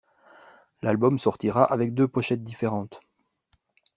L'album sortira avec deux pochettes différentes.